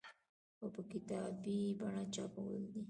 او په کتابي بڼه چاپول دي